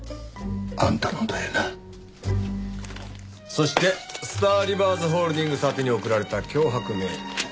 そしてスターリバーズホールディングス宛てに送られた脅迫メール。